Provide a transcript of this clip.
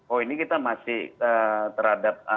oh ini kita masih terhadap